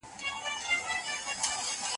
د ټولني د پیاوړتیا لپاره تل علم ته اړتیا ده.